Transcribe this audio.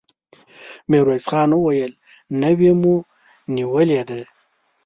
ميرويس خان وويل: نوې مو نيولې ده!